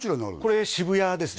これ渋谷ですね